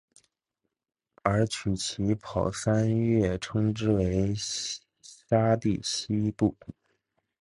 而取其跑三步跃称之为沙蒂希步。